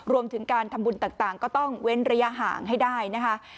รวมถึงการทำบุญต่างก็ต้องเว้นระยะห่างให้ได้นะคะ